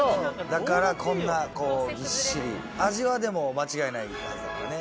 だからこんなギッシリ味はでも間違いないはずだからね。